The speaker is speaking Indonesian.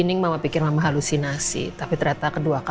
yang menemani kita saat kita terpuruk